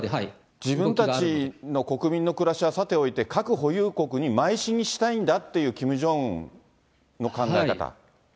自分たちの国民の暮らしはさておいて、核保有国にまい進したいんだという、キム・ジョンウンの考え方。